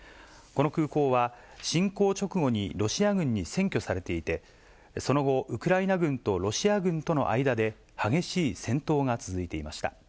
この空港は、侵攻直後にロシア軍に占拠されていて、その後、ウクライナ軍とロシア軍との間で激しい戦闘が続いていました。